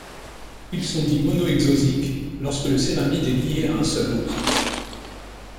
Ils sont dits monohexosiques lorsque le céramide est lié à un seul ose.